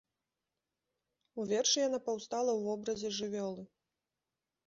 У вершы яна паўстала ў вобразе жывёлы.